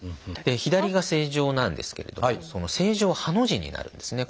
左が正常なんですけれども正常はハの字になるんですね。